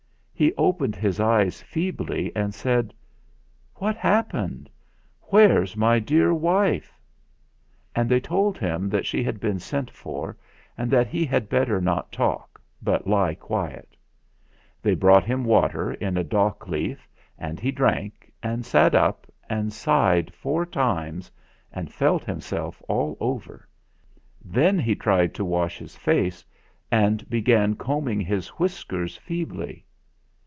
He opened his eyes feebly and said : "What's happened? Where's my dear wife?" And they told him that she had been sent for and that he had better not talk, but lie quiet. They brought him water in a dock leaf, and he drank, and sat up and sighed four times, and felt himself all over ; then he tried to wash his face, and began combing his whiskers feebly.